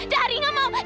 dari tidak mau